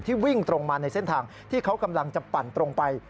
วิ่งตรงมาในเส้นทางที่เขากำลังจะปั่นตรงไป